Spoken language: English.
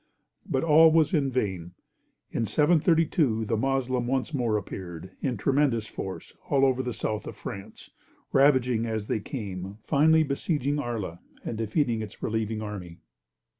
But all was in vain. In 732 the Moslem once more appeared, in tremendous force, all over the south of France, ravaging as they came, finally besieging Arles and defeating its relieving army.